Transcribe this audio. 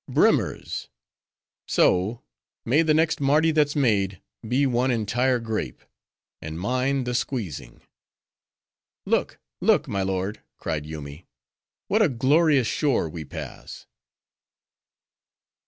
—Brimmers! So: may the next Mardi that's made, be one entire grape; and mine the squeezing!" "Look, look! my lord," cried Yoomy, "what a glorious shore we pass."